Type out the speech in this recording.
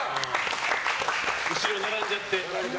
後ろ並んじゃって。